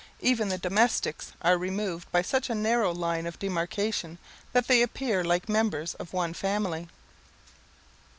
Even the domestics are removed by such a narrow line of demarcation, that they appear like members of one family.